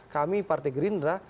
kami partai gerindra